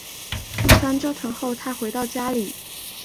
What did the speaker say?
一番折腾后她回到家里